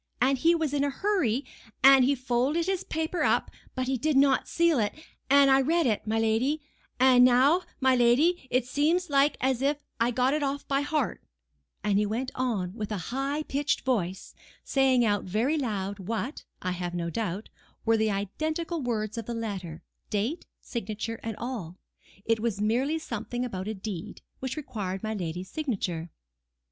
And he was in a hurry, and he folded his paper up, but he did not seal it; and I read it, my lady; and now, my lady, it seems like as if I had got it off by heart;" and he went on with a high pitched voice, saying out very loud what, I have no doubt, were the identical words of the letter, date, signature and all: it was merely something about a deed, which required my lady's signature.